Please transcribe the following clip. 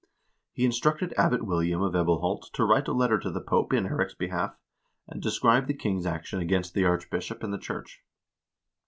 He instructed Abbot William of Ebelholt to write a letter to the Pope in Eirik's behalf, and describe the king's action against the archbishop and the church.